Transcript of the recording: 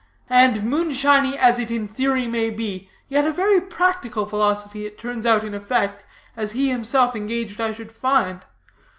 And moonshiny as it in theory may be, yet a very practical philosophy it turns out in effect, as he himself engaged I should find.